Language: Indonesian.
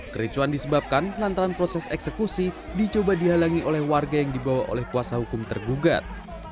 kericuan disebabkan lantaran proses eksekusi dicoba dihalangi oleh warga yang dibawa oleh kuasa hukum tergugat